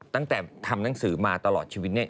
ตั้งแต่ทำหนังสือมาตลอดชีวิตเนี่ย